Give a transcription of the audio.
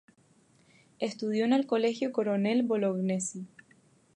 Estudió en el Colegio Coronel Bolognesi.